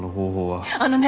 あのね